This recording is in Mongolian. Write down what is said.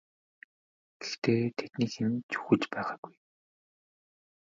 Гэхдээ тэдний хэн нь ч үхэж байгаагүй.